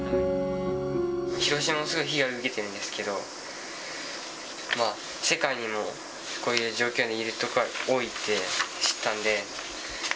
広島もすごく被害を受けてるんですけど、世界にもこういう状況にいる人が多いって知ったんで。